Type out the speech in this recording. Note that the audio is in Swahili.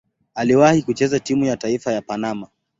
Aliwahi kucheza timu ya taifa ya Panama.